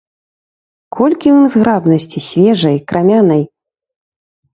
Колькі ў ім зграбнасці свежай, крамянай!